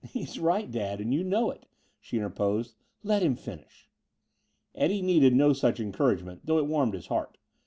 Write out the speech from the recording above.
"He's right, Dad, and you know it," she interposed. "Let him finish." Eddie needed no such encouragement, though it warmed his heart.